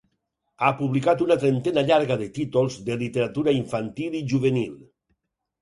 Ha publicat una trentena llarga de títols de literatura infantil i juvenil.